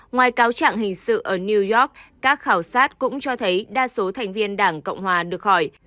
ngoài cáo trạng hình sự ở new york các khảo sát cũng cho thấy đa số thành viên đảng cộng hòa được hỏi